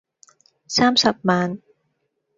三十萬